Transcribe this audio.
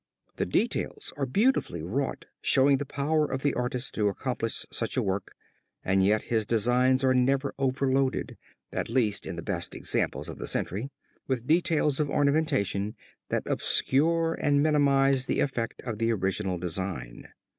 The details are beautifully wrought, showing the power of the artist to accomplish such a work and yet his designs are never overloaded, at least in the best examples of the century, with details of ornamentation that obscure and minimize the effect of the original design.